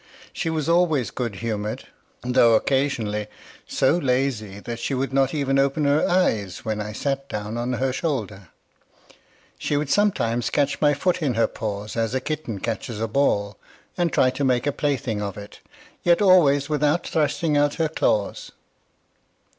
She was always good humored, though occasionally so lazy that she would not even open her eyes when I sat down on her shoulder. She would sometimes catch my foot in her paws as a kitten catches a ball, and try to make a plaything of it, yet always without thrusting out her claws.